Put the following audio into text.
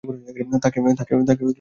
তাকে মেরেই ফেলব!